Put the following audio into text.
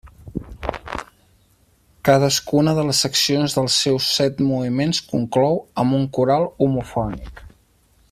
Cadascuna de les seccions dels seus set moviments conclou amb un coral homofònic.